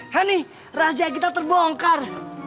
hani rahasia kita terbongkar